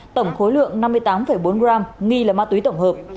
tổng khối lượng năm mươi tám bốn gram nghi là ma túy tổng hợp